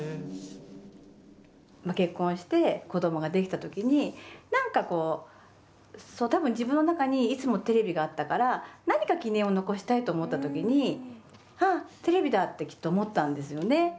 結婚して子どもができたときになんかこう、たぶん自分の中にいつもテレビがあったから何か記念を残したいと思ったときに、あ、テレビだってきっと思ったんですよね。